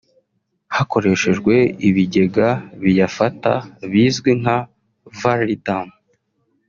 hakoreshejwe ibigega biyafata bizwi nka “Valley Dam”